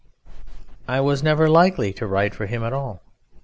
I was never likely to write for him at all.